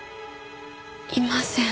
いません。